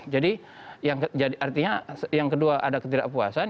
jadi artinya yang kedua ada ketidakpuasan